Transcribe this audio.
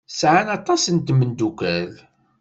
Sɛan aṭas n tmeddukal.